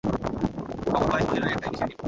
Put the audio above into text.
Common voice মজিলার একটা initiative.